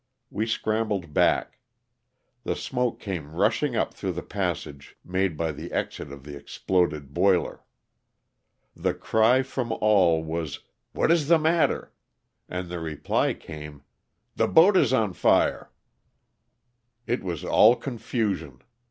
We scrambled back. The smoke came rushing up through the passage made by the exit of the exploded boiler. The cry from all was, " What is the matter ?'' and the reply came, the boat is on fire." It was all confusion.